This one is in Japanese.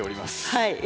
はい。